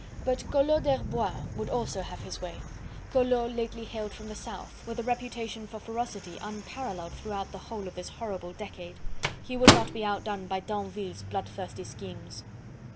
But Collot d'Herbois would also have his say. Collot lately hailed from the South, with a reputation for ferocity unparalleled throughout the whole of this horrible decade. He would not be outdone by Tinville's bloodthirsty schemes.